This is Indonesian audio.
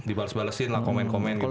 dibalas balesin lah komen komen gitu ya